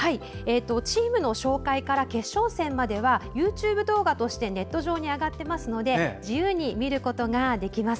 チームの紹介から優勝決定戦の様子はＹｏｕＴｕｂｅ動画としてネット上に上がっていますので自由に見ることができます。